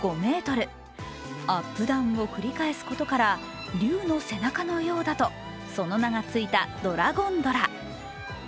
アップダウンを繰り返すことから竜の背中のようだとその名がついたドラゴンドラ。